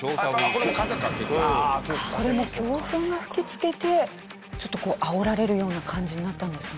これも強風が吹き付けてちょっとこうあおられるような感じになったんですね。